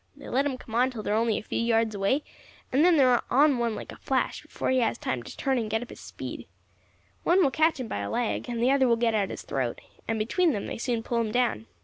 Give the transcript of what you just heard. They let them come on till they are only a few yards away, and then they are on one like a flash, before he has time to turn and get up his speed. One will catch him by a leg, and the other will get at his throat, and between them they soon pull him down.